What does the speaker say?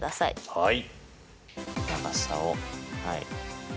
はい。